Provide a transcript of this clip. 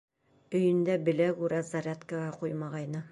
Өйөндә белә-күрә зарядкаға ҡуймағайны.